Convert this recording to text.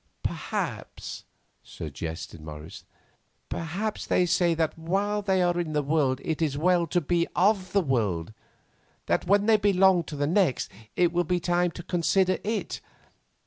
"Perhaps," suggested Morris, "they say that while they are in the world it is well to be of the world; that when they belong to the next it will be time to consider it.